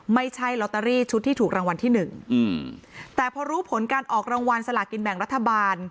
ไม่ใช่ลอตเตอรี่ชุดที่ถูกรางวัลที่หนึ่งอืมแต่พอรู้ผลการออกรางวัลสลากินแบ่งรัฐบาล